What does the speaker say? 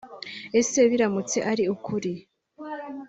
Ese biramutse ari ukuri